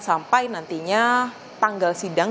sampai nantinya tanggal sidang